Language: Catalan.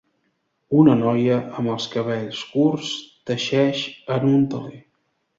Una noia amb els cabells curts teixeix en un teler.